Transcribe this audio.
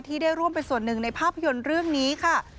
ที่ได้ร่วมเป็นส่วนหนึ่งในภาพยนตร์เรื่องนี้ค่ะ